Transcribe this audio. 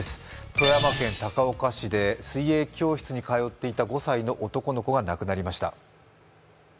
富山県高岡市で水泳教室に通っていた５歳の男の子が亡くなりました。